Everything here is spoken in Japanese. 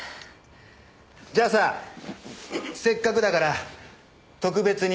じゃあさせっかくだから特別にサインするよ。